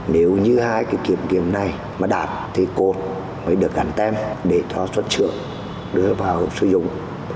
nếu như hai cái kiểm nghiệm này mà đạt thì cột mới được gắn tên để cho xuất sử dụng đưa vào sử dụng